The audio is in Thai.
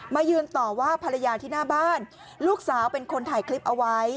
ยืนต่อว่าภรรยาที่หน้าบ้านลูกสาวเป็นคนถ่ายคลิปเอาไว้